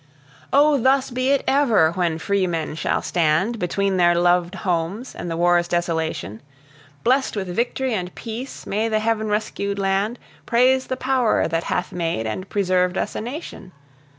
O! thus be it ever, when freemen shall stand Between their loved homes and the war's desolation! Blest with victory and peace, may the heav'n rescued land Praise the power that hath made and preserved us a nation.